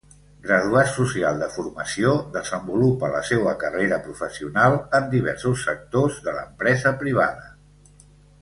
Graduat Social de formació desenvolupa la seua carrera professional en diversos sectors de l'empresa privada.